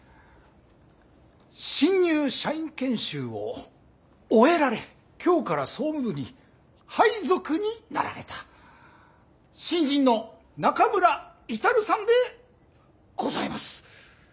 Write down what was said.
新入社員研修を終えられ今日から総務部に配属になられた新人の中村達さんでございます。